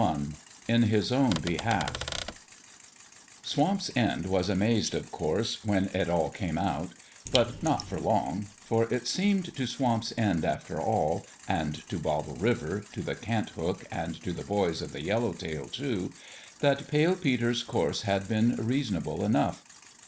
XXXI IN HIS OWN BEHALF SWAMP'S END was amazed, of course, when it all came out ; but not for long : for it seemed to Swamp's End, after all and to Bottle River, to the Cant hook, and to the boys of the Yellow Tail, too that Pale Peter's course had been reasonable enough.